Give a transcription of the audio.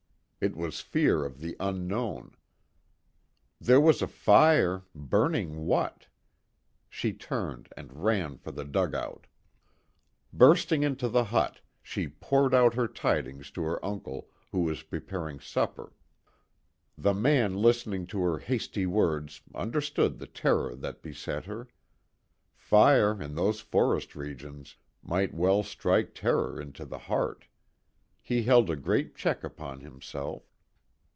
It was fear of the unknown. There was a fire burning what? She turned and ran for the dugout. Bursting into the hut, she poured out her tidings to her uncle, who was preparing supper. The man listening to her hasty words understood the terror that beset her. Fire in those forest regions might well strike terror into the heart. He held a great check upon himself.